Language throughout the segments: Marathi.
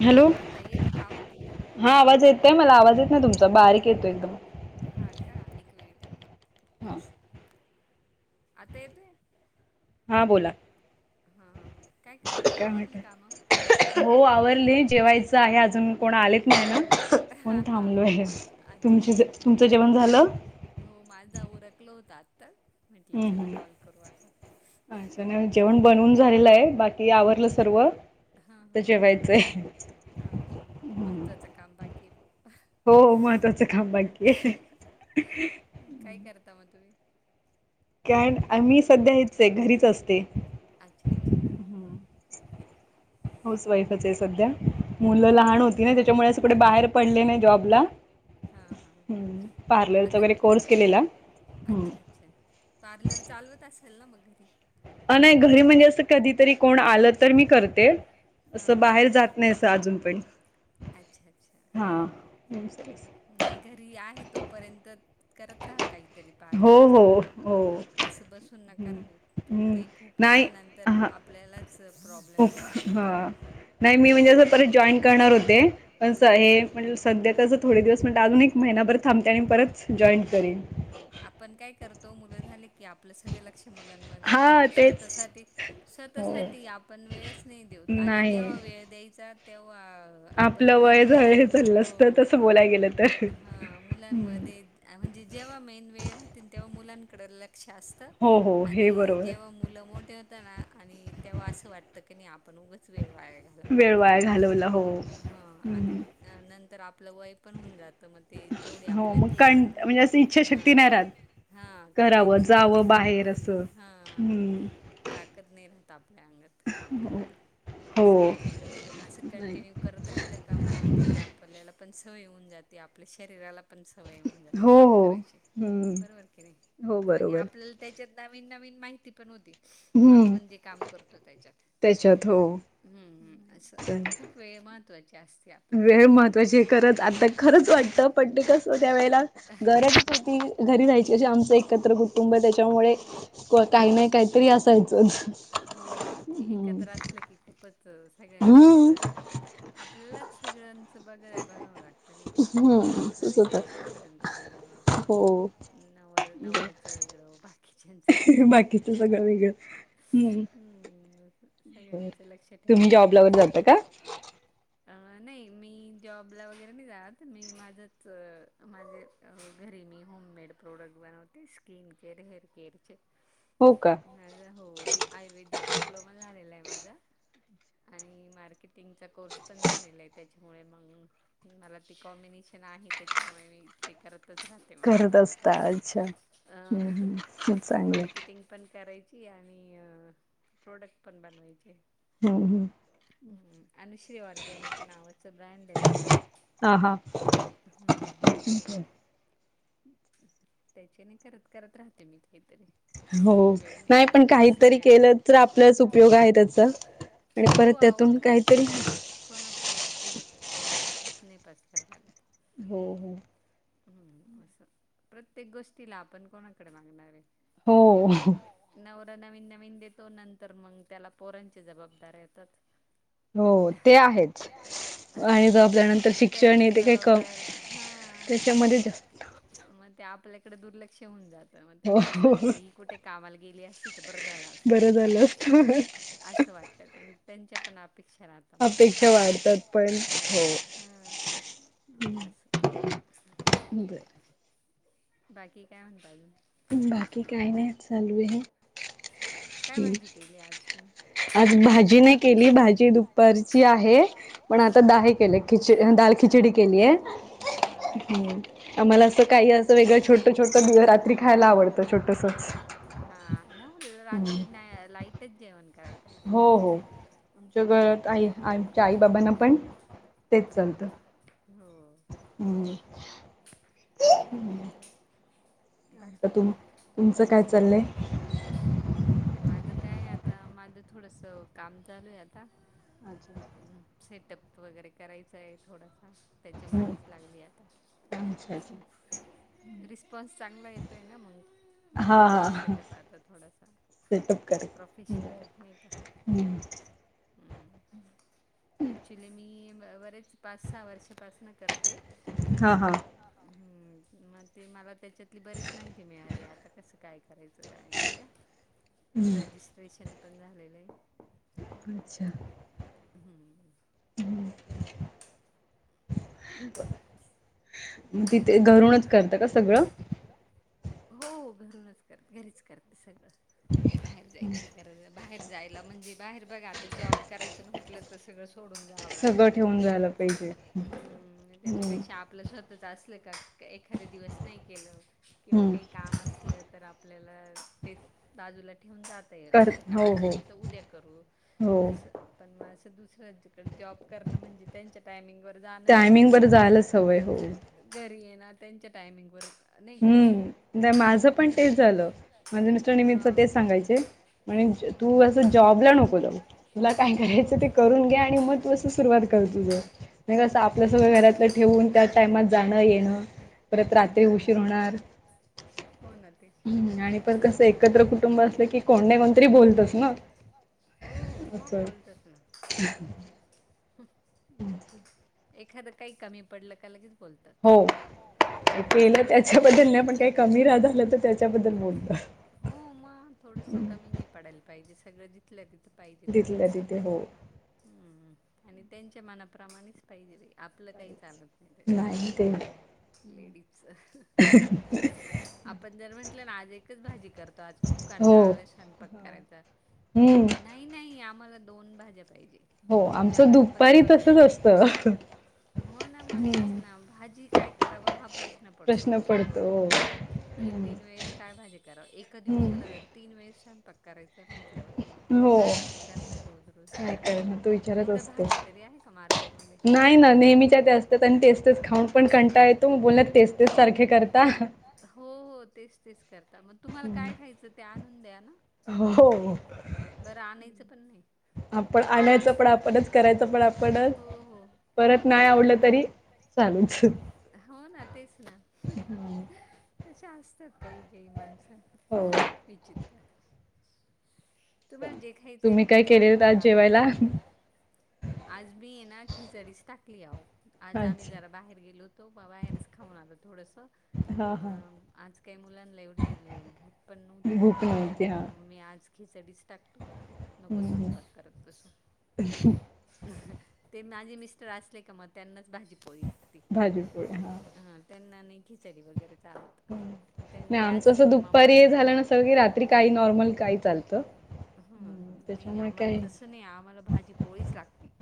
हॅलो हा ताई येतोय काय आवाज.? हा आवाज येतय मला आवाज येत ना तुमचा बारीक येतो एकदम. हां का एक मिनिट आहे मी हा पैसा वाज आता येतोय. हा बोला. हा काय करताय? काय आवरली म्हणत कामं हो आवरडली जेवायचं आहे अजून कोणा आलेत नाही ना. पण हा हा थांबलो हा आहे तुम अच्छा अच्छा तुमचं जेवण झालं? हो माझा उरकल होता आत्ता म्हंटले हम्म चला हम्म कॉल करू आता. अच्छा नाही जेवण बनवून झालेलं आहे बाकी आवरलं सर्व हा तर हा जेवायचंय. हा हा महत्त्वाचं काम बाकी आहे बुवा हो महत्वाचं काम बाकी आहे. [inaudible] काय करता मग तुम्ही? कारण आम्ही सध्या हच आहे घरीच असते. अच्छा अच्छा हम्म ओके. हाऊस वाईफच आहे सध्या हां मुलं हां लहान होती ना त्याच्यामुळे अस कडे बाहेर पडले नाही जॉबला. हां हां हम्म पार्लरचा आता वगैरे कोर्स केलेला ह्. अच्छा अच्छा. पार्लर चालवत असेल ना मग घरी? अ नाही घरी म्हणजे असं कधीतरी कोण आलं तर मी करत ते हां असं हां बाहेर जात नाहीस अजून पण अच्छा अच्छा हा. नमस्ते! नाही घरी आहे तोपर्यंत करत राहा काहीतरी हो पार्लरच हो तुम्ही. हो असं बसून नका राहू हम्म ते खूप आहे नाही नंतर हा आपल्याला प्रॉब्लेम उफ होत नंतर हा नाही मी म्हणजे अस परत जॉईन करणार होते असं हां आहे हां म्हणज सध्या क थोडे दिवस म्हणट अजून महिनाभर थांबते आणि परत जॉईन करेन. हो आपण काय करतो मुलं झाले की आपलं सगळ लक्ष मुलांमध्ये हा आपल्या तेच स्वतासाठी स्वतःसाठी आपण वेळच नाही देऊत आणि नाही जेव्हा वेळ द्यायचा तेव्हा आपण आपलं वय झा मुलांमध्ये झालं हो असतं तसं बोलाय गेलं तर ह हम्म मुलांमध्ये म्हणजे जेव्हा मेन वेळ राहतील तेव्हा मुलांकडे लक्ष असत. हो हो हे आणि बरोबर जेव्हा मुलं मोठे होत ना. आणि तेव्हा असं वाटतं की नाही आपण उगंच वेळ वाढ घालवला वेळ आपला वाया घालवला हो ह आणि हम्म, अ नंतर आपलं वय पण होऊन जातं मग ते तेवढे आपल्या ते पण राहत. नाही इच्छा शक्ती हा. नाही राहत. हा करावं करायची जावं हा बाहेर असं हा हम्म ताकद नाही राहत. आपल्या अंगात काम करायला. असं हो होतं असं नाही कंटिन्यू करत राहिल का म ते आपल्याला पण सवयी होऊन जाते आपल्या शरीराला पण सवय होऊन जाते हो काम हो कराय हम्म बरोबर की हो नाही बरोबर आपल्या त्याच्यात नवीन नवीन माहिती पण होती. हम्म आपण जे काम करतो त्याच्यात त्याच्यात हो हम्म हम्म अस चालेल खूप वेळ महत्त्वाची अस वेळ महत्त्वाची खरंच आता खरंच हो की वाटतं नाही पण ते कस त्या वेळेला घराचीती घरी जाहायची अशी आमचं एकत्र कुटुंब त्याच्यामुळे काही नाही काहीतरी ह असायचंच हो बई ते हम्म एकत्र असलं की खूपच. हम्म सळ्यांच्याच आपल्यालाच सगळ्यांचं बघा बघावं लागतं नाही का हम्म सासुच असंच होत वेगळ सास ऱ्यांच वेगळ. हो नवर नवऱ्याचं वेगळं बाकीच्याचं वेगळं. बाकीच सगळं वेगळं हम्म हम्म बर सगळ्यांचं लक्ष ठेवा तुम्ही जॉबला वर आपणच. जाता का अ नाही मी जॉबला वगैरे नाही जात मी माझंच माझे घरी मी होममेड प्रोडक्ट बनवते स्किन केअर हेअर केअरचे हो का. माझा हो आयुर्वेदिक डिप्लोमा झालेला आहे माझा. आणि मार्केटिंगचा कोर्स पण झालेला आहे त्याच्यामुळे मगं मला ते कॉम्बिनेशन आहे त्याच्यामुळे मी ते करतच राह के माझ करत चालुच असता अच्छा असत हम्म [unintelligible] हम्म चांगलं मार्केटिंग पण करायची आणि अ प्रोडक्ट पण बनवायचे. हम्म हम्म. हम्म अनुश्री ऑर्गॅनिक नावाच ब्रँड ये माझ. ठीक आहे. तेचे नाही करत करत राहते मी काहीतरी. हो वेळ नाही पण मिळाला जसा काहीतरी वेळ मी केलं तर आपल्याच [unintelligible] उपयोग आहे हो. त्याचा आणि हो परत आहो त्यातून खरंच. काहीतरी कोणा प पुढे प हात नाही पसराव लागत. हो हो. हम्म असं प्रत्येक गोष्टीला आपण कोणाकडे मागणार ये हो. नवरा नवीन नवीन देतो नंतर मग त्याला पोरांच्या जबाबदाऱ्या येतात हो ते आहेच आणि ज आपल्यानंतर शिक्षण त्यांचे हे ते काही कम जबाबदाऱ्या हा त्याच्यामध्ये जास्त मग ते आपल्याकडे दुर्लक्ष होऊन जात. मग हो त्यांना असं हो वाटत ही कुठे कामाला गेली असती तर बरं झालं असत. बरं झालं असत असं वाटतं त्यांच्या पण अपेक्षा राहत अपेक्षा तमाशला वाढतात पण आणि ह असं. बरं बाकी काय म्हणता अजून. बाकी काही नाही चालू आहे. काय भाजी केली आज तुम्ही? आज भाजी नाही केली भाजी दुपारची आहे पण आता हा दहा एक खिच दाल खिचडी केली आहे दाल हा हम्म आम्हाला असं काही अच्छा अस [unintelligible] वेगळ छोट छोट [unintelligible] रात्री खायला आवडतं छोटसच. हा ना हम्म. रात्री ना लाईटच जेवन करायल पाहिजे खर. हो हो आमच्या घरात हम्म आई आमच्या आई बाबांना पण तेच हम्म चालतं. हम्म हो. हम्म हम्म. आत बाकी तुम तुमचं काय चाललंय. माझं काय आता माझं थोडस काम चालू आहे आता. अच्छा. सेटअप वगैरे करायचाये थोडाफार. त्याच्या हम्म. मागेच लागली आता अच्छा अच्छा. रिस्पॉन्स चांगला येतोय ना मग म्हटले हा करू हा सेटअप आता थोडासा. सेटअप करे प्रोफेशनल नाही का. हम्म हम, ऍक्च्युली मी बरेच पाच सहा वर्षापासन करते. हा हा. हा हा हम्म मग ते मला त्याच्यात बरेच माहिती मिळाली आता कस काय करायचं काय नाही का हम्म राज्यश्री टेशन पण झालेलं आहे. अच्छा! हम्. तिथे घरूनच करत का सगळं. सगळं हो घरूनच करत घरीच करते सगळं बाहेर जायची कार बाहेर जायला म्हणजे बाहेर बघा आता जॉब करायचं म्हंटलं तर सगळं सो सोडून जावं लागत सगळं बाइ ठेवून जायला पाहिजे. हम हम्म त्याच्यापेक्षा आप आपलं स्वतःच असलं का एखादे दिवस नाही केलं किंवा हम्म काही काम असलं तर आप आपल्याला तेच बाजूला ठेवून जात येत कर नाही का हो आज हो नाही तर उद्या करू हो. असं. पण म असं दुसऱ्याकडे जॉब करणं म्हणजे. त्यांच्या टायमिंग वर जाणंच आहे टायमिंग वर आपल्याला. टामिंग व जायलाच हवंय हो जाणच घरी ये ना त्यांच्या टायमिंग वच नाही का हम्म नाही मग घर, माझं पण झालं तेच आहे. माझे मिस्टर हा नेहमीच ह तेच सांगायचे म्हणे तू मी जॉबला असं नको जाऊ जॉबला नव्हते. तुला काय ह [unintelligible] करायचं ते घे आणि करून मग तू असं सुरुवात घे. कर तुझं म्हणजे कसं हम आपलं हम सगळं घरातलं ठेवून टायमात त्या जाणं आई मात जाणं येणं. परत रात्री हम्म उशीर होणार होणा. तेच ना मग, हम्म आणि पण तस कसं एकत्र कुटुंब असलं कोण नाही की कोडणे बोलतच कोणतरी ना बोलतात ना. हो हो म असं बोलतात ना. [inaudible] हम. हम. एखादं काही कमी पडलं का लगेच बोलतात. हो केलं सगळं त्याच्याबद्दल सगळ्यांना नाही पण जिथल्या काही कमी तिथं रा आलं तर त्याच्याबद्दल बोलत. हो मग थोडसं कमी नाही पडायला पाहिजे सगळं जीथं जिथल्या तिथं पाहिजे त्यांना. तिथल्या तिथे हो अम आणि त्यांच्या मनाप्रमाणेच पाहिजे र आपलं काही चालत नाही त्या पाहिजे ते. लेडीचं. [unintelligible] आपण जर म्हटलं ना आज एकच भाजी कर तो आज खूप कंटाळ हो आला स्वयंपाक कराय नाही हम्म नाही नाही आम्हाला दोन भाज्या पाहिजे हो तोंडी आमचं लावायला पण दुपारी कर तसच काहीतरी. असतं. हो ना मग तेच हम्म. ना भाजी काय करावं हा प्रश्न पडतो सर्व तीन हम्म. तीन वेळेस काय भाजी कराव एका दिवसाला हम्म जर तीन वेळेस स्यंपाक करायचंय म्हटल्यावर. हो काय भाजी करणार रोज रोज काय करणार तो विचारच एवढ्या असतो. भाज्या तरी आहे का मार्केट नाही ना नेहमीच्या ते असत. तर त्यांनी तेच तेच खाऊन पण कंटा येतो मग बोलतात तेच तेच सारखे करता. हो हो तेच तेच. करता मग तुम्हाला हम्म. काय खायचं ते आणून द्या ना घरात. हो बरं आणायचं पण नाही. आपण आणायच पण आपणच करायचं आपणच हो हो ना काय आवडलं तरी चालूच. हो ना तेच ना हम्म. कश असतात काही काही माणसं. हो. विचितित्र. तुम्हाला जे खायचं आहे ना तुम्ही मग काय ते आणून केलेलं आज द्या आम्ही जेवायला? करून. आजवी ए ना खिजारीस टाकलीओ. आज आम्ही अच्छा जरा बाहेर गेलो होतो बाहेरच खाऊन आलो थोडस. हा हा मग आज काही मुलाना ला एवढी भूत पण नव्हती भूक मग ते नव्हती मणे हा. मी आज. खेचडीच टाकतो नको हम्म, हम्म स्वयंपात करत तस ते माझे मिस्टर असले का मग त्यांनाच भाजी. होई लाग भाजीपोळी हां. ह त्यांना नाही खिचडी वगैरे चालत मग नाही ते आमचं असले असं की दुपारी हे मामाला झा झालं र्री नसेल की रात्री काही का नॉर्मल काही चालतं. नॉर्ल हम हम्म, ह नाही त्याच्यामुळे काय आम्हाला तसं नाही आम्हाला भाजी पोळीच लागती.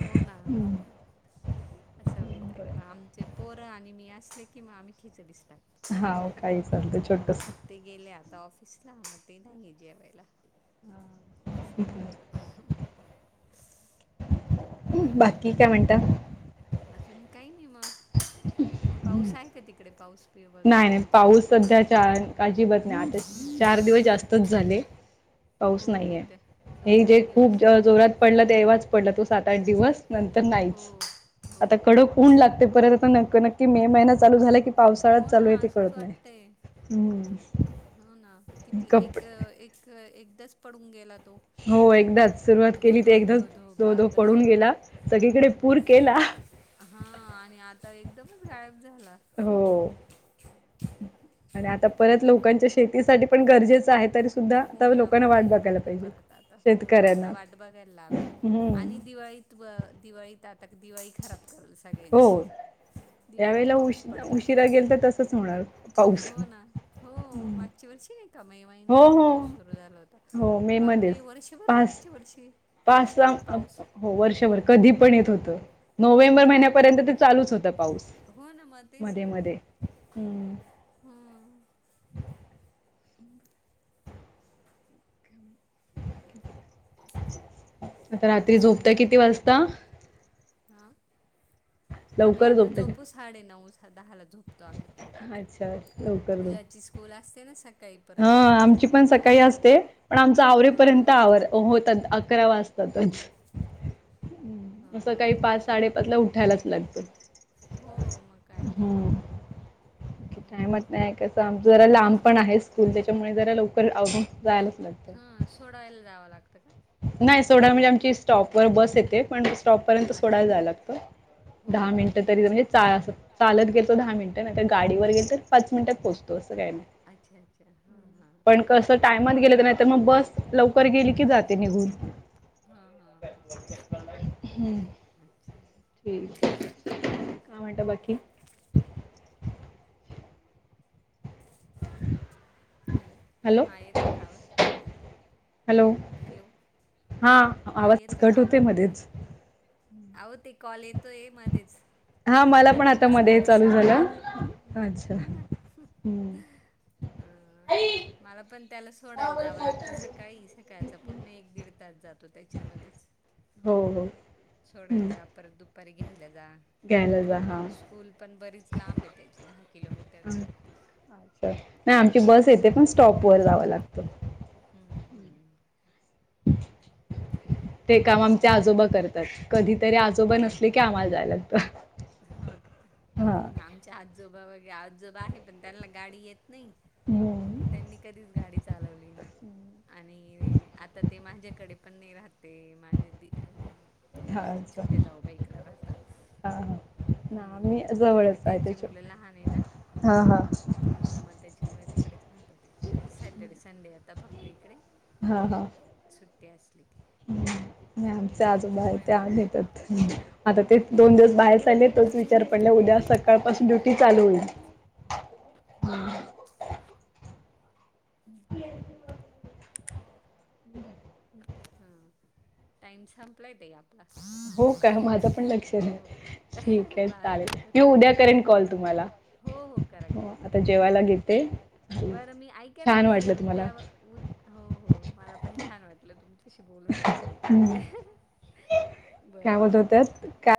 हो ना. हम्म. असं वता की आचे पोरं आणि मी असले की म आमही खिच दिसतात. हा काही चालत छोटस. ते गेले आता ऑफिसला मग ते नाही आहे जेवायला. अससं. बाकी काय म्हणतात. अजून काही नाही मग पाऊस आहे का तिकडे पाऊस पि वगैरे नाही नाही तुमच्या इकडे? पाऊस सध्या च अजिबात नाही आता चार दिवस जास्तच झाले. पाऊस हो नाहीये त्या दोन हे जे तीन खूप दिवस जोरात पडलं ते एव्हाच पडला तो सात आठ दिवस. नंतर हो नाहीच आता कड हो कोण लागते परत आता नक् नक्की मे महिना चालू झाला की पा काळात हो चालू ना आहे ते असंच कळत नाही. वाटतंय. हो ना किती कप एक एकदाच पडून गेला. तो. हो एकदाच सुरुवात धो केली ते धो एकदाच धो धो दो दो बापरे पडून गेला. सगळीकडे पूर केला. हा आणि आता एकदमच गायब झाला. हो आणि आता. परत लोकांच्या शेतीसाठी पण गरजेचं आहे तर. हो ना पडायला पाहिजे परत आता हो आता शेतकऱ्यांना वाट बघायला लावेल आणि हम्म दिवाळीत. दिवाळी त आटक दिवाळी खराब. करल हो सगळ्यांचे दिवाळीत पाऊस पडेल आता. स होणार. पाऊस हो ना हो मागच्या वर्ष नाही का मा हो महिन्यातच हो पाऊस सुरु झाला होता हो मे मध्येच बाबरे वर्षभर पाच मागच्या वर्षी पाच वर्षभर सहा पाऊस. हो वर्षभर कधी पण येत होतं नोव्हेंबर हो ना. महिन्यापर्यंत ते चालूच होता पाऊस. हो ना मग तेच मध्ये ना मध्ये हम्म हम. [inaudible] आता रात्री झोपत किती वाजता? हा आम्ही लवकर आता झोपते मी. झोपू साडे नऊ दहाला झोपू आम् अच्छा लवकर झोप मुलाची स्कूल असते ना सकाळी. हा परत उठायचं आमची पण लवकर सकाळी असं. असते पण आमचा आवरेपर्यंत हा आव होतात अकरा वाजतातच. हा असं काही पाच साडेपाच ला उठायलाच लागतं. हो मग कायच. का म्हट नाही कसं आम जरा लांब पण आहे स्कूल त्याच्यामुळे जरा लवकर अवून जायला. हा सोडा ऑइल द्यावं लागतं का. नाही सोडायला म्हणजे आमची स्टॉप वर बस येते पण स्टॉपपर्यंत अच्छा सोडायला अच्छा जायला लागतं. हो दहा हो मिनटं हो तरी म्हणजे अस चालत गेतो दहा मिनिटं नाही तर गाडीवर गेेत पाच मिनिटात पोहोतो असं काय नाही. अच्छा अच्छा हा हा. पण कसं टायमात गेलं तर नाहीतर मग बस लवकर गेली की जात. ते निघून हां हां हम्म अच्छा ठीक आहे. काय म्हणता बाकी. [inaudible] हॅलो हा येतोय का आवाज. हॅलो हॅलो हा हां आवाज येतो आहे ना कट आवाज होतोय मध्येच. अहो ते कॉल येतोय मध्येच. हा मला आता पण तो कसा काय मध्ये चालू रिसिव झाला करायचा. अच्छा हो ना हम्म. हम्म मला पण त्याला सोडायला जाव लागत सकाळी. सकाळच पूर्ण एक दीड तास जातो त्याच्यामध्येच. हो हो सोडयला हम्म. जा. परत दुपारी घ्यायला जा. घ्यायला जा हा स्कूल पण बरीच लांब आहे त्याची. दहा किलोमीटर आहे. अच्छा नाही आमची बस येते. पण स्टॉप वर जाव लागत. हम्म हम्म ते काम आमचे आजोबा करतात‌. कधीतरी आजोबा नसले की आम्हाला जाय लागत. हो का नाही ना आमच्या आजोबा वगैरे आजोबा आहे पण त्यांना गाडी येत नाही. [unintelligible] त्यांनी कधीच गाडी चालवली नाही. आणि आता ते माझ्याकडे पण नाही राहत. ते माझे दि हा अच्छा छोट्या जाऊबाईकड राहतात. हा हा ना आम्ही हम्म तिकडे जवळच आहे त्यांचे त्याच्या मुलं लहान आहे ना. हा हा. हा मग त्याच्यामुळे तिकडेच राहतात ते. सॅटर्डे संडे आता फक्त इकडे हा हा सुट्टी असली की नाही आमचे आजोबा आहे त्याच्यामुळे ते मग आम काय येतात. आता ते हम्म दोन दिवस बाहेर चाले‌. तोच विचार पडला उद्या सकाळपासून ड्युटी चालू होईल. [unintelligible] [unintelligible] हम्म टाइम संपलाय ताई आप हो का माझं पण लक्ष हो नाही. ठीक आहे बारा चालेल मिनिट मी उद्या करेन कॉल तुम्हाला हो हो करा करा आता जेवायला चालेल. घेते. बरं मी ऐका ना छान मी वाटलं जर तुम्हाला उद्या हो हो मला पण छान वाटलं तुमच्याशी बोलून. हम्म. काय बरं बोलत चालेल होत्यात काय चालेल